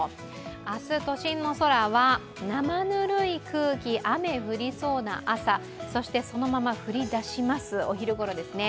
明日、都心の空はなまぬるい空気雨降りそうな朝、そしてそのまま降り出します、お昼ごろですね。